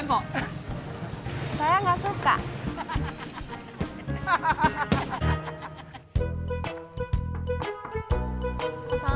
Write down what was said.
mas bubur kacang hijaunya satu pakai ketan hitam ya